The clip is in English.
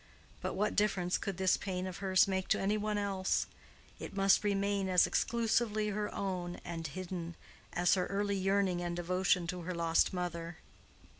But what difference could this pain of hers make to any one else? It must remain as exclusively her own, and hidden, as her early yearning and devotion to her lost mother.